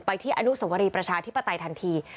ที่อนุสวรีประชาธิปไตยทันที